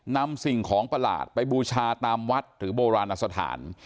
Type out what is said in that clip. สิ่งของประหลาดไปบูชาตามวัดหรือโบราณสถาน